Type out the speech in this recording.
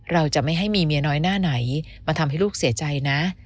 เราจะไม่ให้มีเมียน้อยหน้าไหนมาทำให้ลูกเสียใจนะ